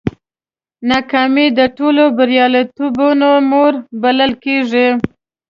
ناکامي د ټولو بریالیتوبونو مور بلل کېږي.